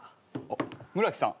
あっ村木さん。